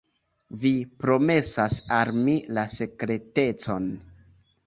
Vi promesas al mi la sekretecon?